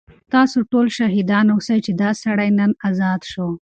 تاسو ټول شاهدان اوسئ چې دا سړی نن ازاد شو.